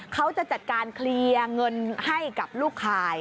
เขาจะจัดการเคลียร์เงินให้กับลูกคาย